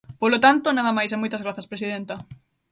Polo tanto, nada máis e moitas grazas, presidenta.